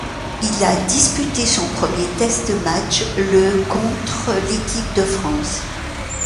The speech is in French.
Il a disputé son premier test match, le contre l'équipe de France.